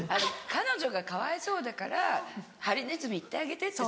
彼女が「かわいそうだからハリネズミ行ってあげて」って。